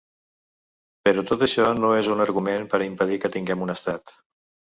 Però tot això no és un argument per a impedir que tinguem un estat.